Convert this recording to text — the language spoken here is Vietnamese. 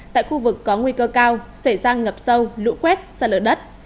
tại khu vực có nguy cơ cao xảy ra ngập sâu lũ quét xả lỡ đất